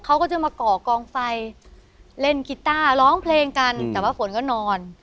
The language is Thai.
เขาก็จะมาก่อกองไฟเล่นกีต้าร้องเพลงกันแต่ว่าฝนก็นอน